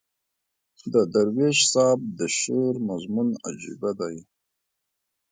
د درویش صاحب د شعر مضمون عجیبه دی.